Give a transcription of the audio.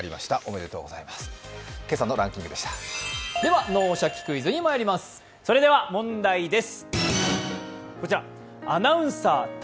では、「脳シャキ！クイズ」にまいります。